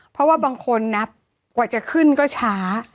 เพราะว่าบางคนนับกว่าจะขึ้นก็ช้า